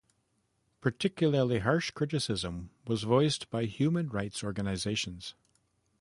Particularly harsh criticism was voiced by human rights organizations.